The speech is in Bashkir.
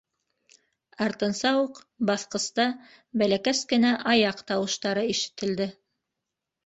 Артынса уҡ баҫҡыста бәләкәс кенә аяҡ тауыштары ишетелде.